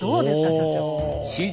所長。